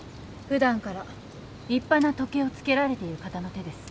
普段から立派な時計をつけられている方の手です。